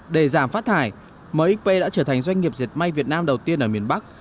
để giảm phát thải mới đã trở thành doanh nghiệp diệt may việt nam đầu tiên ở miền bắc